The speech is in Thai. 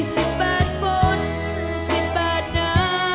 สิบแปดฝนสิบแปดน้ำ